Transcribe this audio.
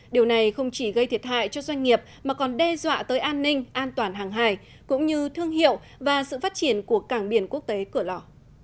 điều này không chỉ gây thiệt hại cho doanh nghiệp mà còn đe dọa tới an ninh an toàn hàng hài cũng như thương hiệu và sự phát triển của cảng biển quốc tế cửa lò